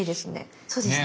そうですね。